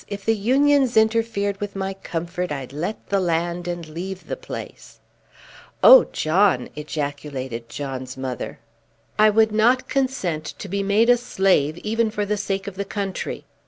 If the Unions interfered with my comfort I'd let the land and leave the place." "Oh, John!" ejaculated John's mother. "I would not consent to be made a slave even for the sake of the country.